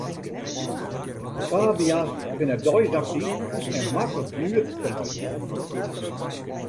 Kavia's binne deis aktyf en maklik nuet te meitsjen.